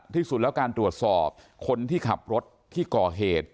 ที่สุดแล้วการตรวจสอบคนที่ขับรถที่ก่อเหตุ